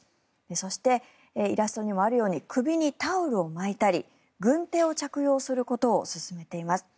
そして、イラストにもあるように首にタオルを巻いたり軍手を着用することを勧めています。